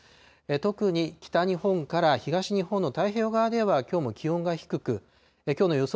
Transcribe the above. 特に北日本から東日本の太平洋側ではきょうも気温が低く、きょうの予想